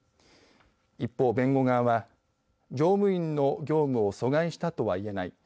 一方、弁護側は乗務員の業務を阻害したとはいえない。